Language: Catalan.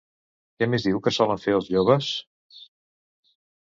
Què més diu que solen fer els joves?